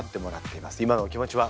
今のお気持ちは？